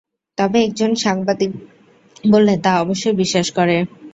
তবে একজন সাংবাদিক বললে তা অবশ্যই বিশ্বাস করে।